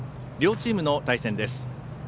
両チームの対戦です。